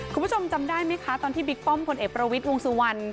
คุณผู้ชมจำได้ไหมคะตอนที่บิ๊กป้อมพลเอกประวิทย์วงสุวรรณ